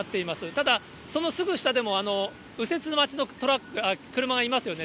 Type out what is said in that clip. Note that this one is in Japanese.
ただ、そのすぐ下でも右折待ちの車がいますよね。